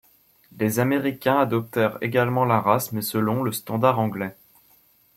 Les Américains adoptèrent également la race, mais selon le standard anglais.